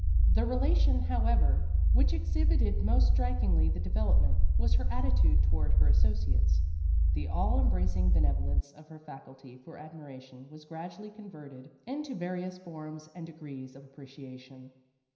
The relation, however, which exhibited most strikingly the development, was her attitude toward her associates. The all embracing benevolence of her faculty for admiration was gradually converted into various forms and degrees of appreciation.